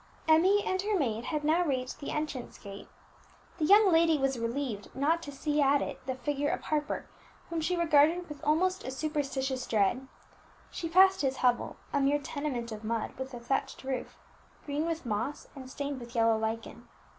Emmie and her maid had now reached the entrance gate. The young lady was relieved not to see at it the figure of Harper, whom she regarded with almost a superstitious dread. She passed his hovel, a mere tenement of mud, with a thatched roof, green with moss and stained with yellow lichen.